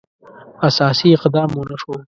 اساسي اقدام ونه شو.